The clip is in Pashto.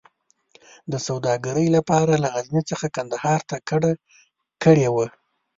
د سوداګرۍ لپاره له غزني څخه کندهار ته کډه کړې وه.